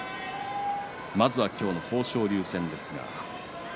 まずは今日の豊昇龍戦です。